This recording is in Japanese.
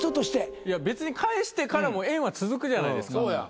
いや別に返してからも縁は続くじゃないですか。